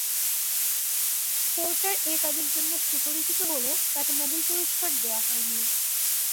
Porter এ কাজের জন্য সুপরিচিত হলেও তাকে নোবেল পুরস্কার দেওয়া হয়নি।